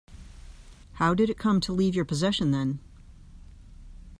How did it come to leave your possession then?